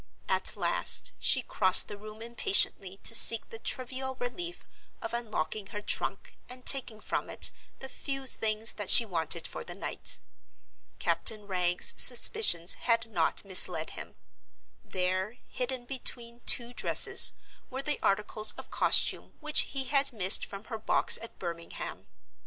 At last she crossed the room impatiently to seek the trivial relief of unlocking her trunk and taking from it the few things that she wanted for the night. Captain Wragge's suspicions had not misled him. There, hidden between two dresses, were the articles of costume which he had missed from her box at Birmingham.